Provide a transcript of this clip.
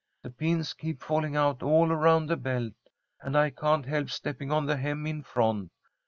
The pins keep falling out all around the belt, and I can't help stepping on the hem in front.